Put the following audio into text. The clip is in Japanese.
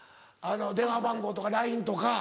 電話番号とかＬＩＮＥとか。